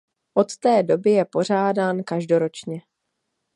Od té doby je pořádán každoročně.